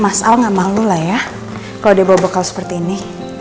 mas al gak malu lah ya kalau dia bawa bekal seperti ini